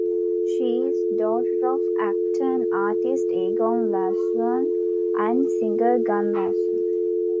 She is daughter of actor and artist Egon Larsson and singer Gun Larsson.